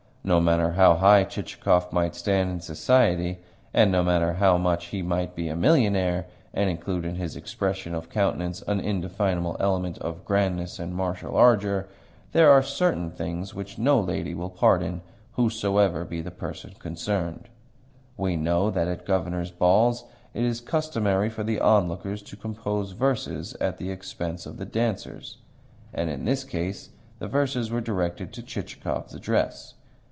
No matter how high Chichikov might stand in society, and no matter how much he might be a millionaire and include in his expression of countenance an indefinable element of grandness and martial ardour, there are certain things which no lady will pardon, whosoever be the person concerned. We know that at Governor's balls it is customary for the onlookers to compose verses at the expense of the dancers; and in this case the verses were directed to Chichikov's address.